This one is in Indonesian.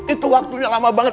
itu waktunya lama banget